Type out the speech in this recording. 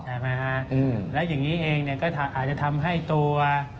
ใช่ไหมฮะแล้วอย่างนี้เองเนี่ยก็อาจจะทำให้ตัว